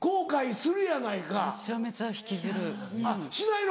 しないの？